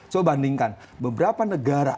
so bandingkan beberapa negara